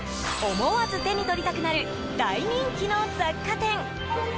思わず手に取りたくなる大人気の雑貨店。